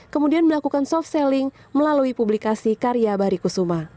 kemudian melakukan soft selling melalui publikasi karya bari kusuma